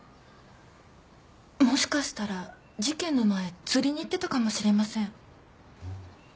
もしかしたら事件の前釣りに行ってたかもしれません。